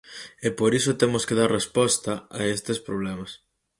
E por iso temos que dar resposta a estes problemas.